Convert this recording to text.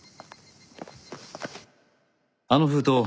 あの封筒